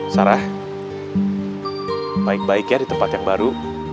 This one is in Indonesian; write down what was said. sarah baik baik ya di tempat yang baru